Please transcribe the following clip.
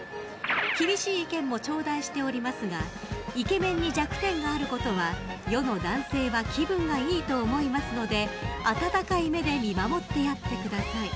厳しい意見もちょうだいしておりますがイケメンに弱点があることは世の男性は気分がいいと思いますので温かい目で見守ってやってください。